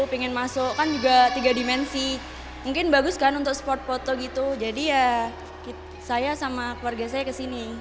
pengen masuk kan juga tiga dimensi mungkin bagus kan untuk spot foto gitu jadi ya saya sama keluarga saya kesini